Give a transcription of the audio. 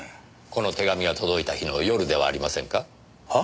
この手紙が届いた日の夜ではありませんか？は？